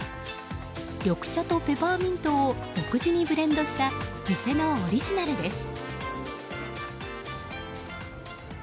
緑茶とペパーミントを独自にブレンドした店のオリジナルです。